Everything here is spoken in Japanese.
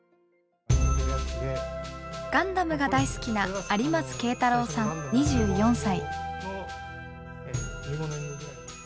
「ガンダム」が大好きな有松啓太郎さん２４歳。